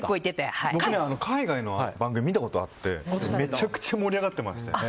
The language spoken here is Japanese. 僕、海外の番組見たことあってめちゃくちゃ盛り上がっていましたよ。